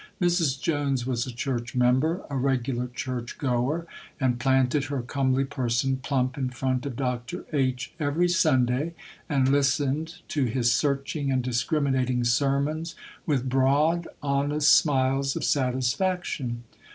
Mrs. Jones was a church member, a regular church goer, and planted her comely person plump in front of Dr. H. every Sunday, and listened to his searching and discriminating sermons with broad, honest smiles of satisfaction.